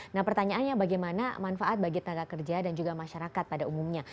nah pertanyaannya bagaimana manfaat bagi tenaga kerja dan juga masyarakat pada umumnya